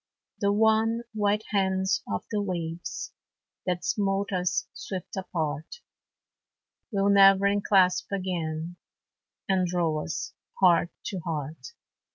The wan, white hands of the waves That smote us swift apart, Will never enclasp again, And draw us heart to heart.